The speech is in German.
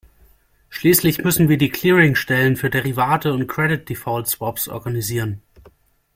Schließlich müssen wir Clearingstellen für Derivate und Credit Default Swaps organisieren.